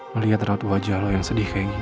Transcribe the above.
melihat raut wajah lo yang sedih kayak gini